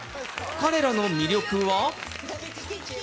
彼らの魅力は？